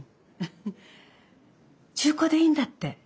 中古でいいんだって。